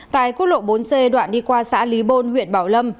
tại quốc lộ bốn c đoạn đi qua xã lý bôn huyện bảo lâm